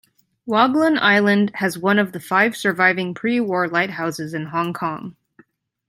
Waglan Island has one of the five surviving pre-war lighthouses in Hong Kong.